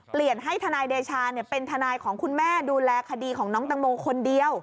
ให้ทนายเดชาเป็นทนายของคุณแม่ดูแลคดีของน้องตังโมคนเดียว